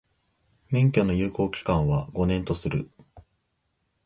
免許の有効期間は、五年とする。